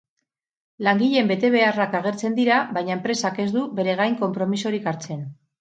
Langileen betebeharrak agertzen dira, baina enpresak ez du bere gain konpromisorik hartzen.